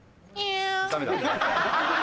ダメだ。